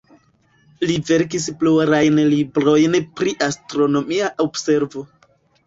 Li verkis plurajn librojn pri astronomia observo.